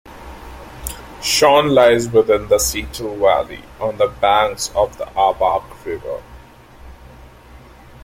Seon lies within the Seetal valley, on the banks of the Aabach river.